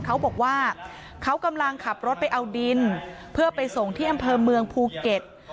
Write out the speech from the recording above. เขาบอกว่าเขากำลังขับรถไปเอาดินเพื่อไปส่งที่อำเภอเมืองภูเก็ต